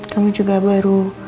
kamu juga baru